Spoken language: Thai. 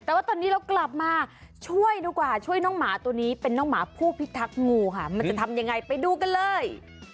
แต่ว่าตอนนี้เรากลับมาช่วยดูกว่าช่วยน้องหมาตัวนี้เป็นน้องหมาผู้พิทักษ์งูค่ะมันจะทำยังไงไปดูกันเลย